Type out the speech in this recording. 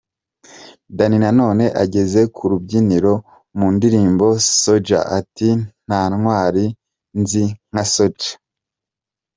Danny Nanone ageze ku rubyiniro mu ndirimbo ’Soldier’ ati :"Nta ntwari nzi nka Soldier’.